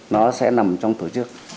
nó sẽ nằm trong tổ chức